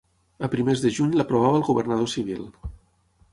A primers de juny l'aprovava el governador civil.